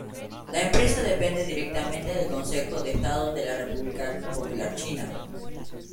La empresa depende directamente del Consejo de Estado de la República Popular China.